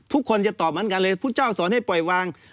ทุกคนจะตอบเหมือนกันเลยพุทธเจ้าสอนให้ปล่อยวาง